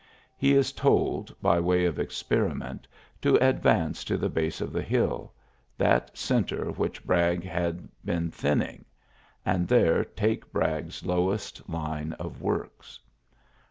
He is told, by way of experiment, to advance to the base of the hill — that centre which Bragg had been thinning — and there take Bragg' s lowest line of works.